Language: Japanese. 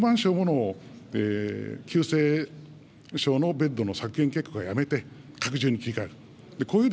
床もの急性症のベッドの削減計画はやめて、拡充に切り替える。